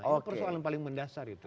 ini persoalan paling mendasar itu